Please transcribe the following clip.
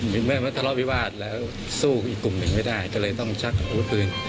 แม่มาทะเลาะวิวาสแล้วสู้อีกกลุ่มหนึ่งไม่ได้ก็เลยต้องชักอาวุธปืน